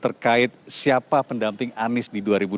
berkait siapa pendamping anis di dua ribu dua puluh empat